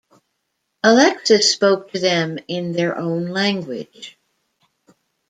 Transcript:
Alexis spoke to them in their own language.